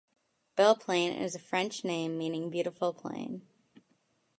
Belle Plaine is a French name meaning "beautiful plain".